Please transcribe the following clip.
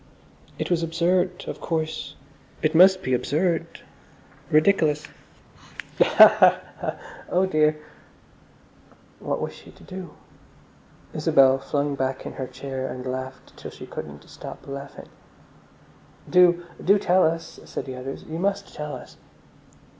It was absurd, of course, it must be absurd, ridiculous. "Ha, ha, ha! Oh dear!" What was she to do? Isabel flung back in her chair and laughed till she couldn't stop laughing. "Do, do tell us," said the others. "You must tell us."